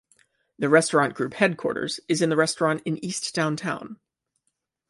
The restaurant group headquarters is in the restaurant in East Downtown.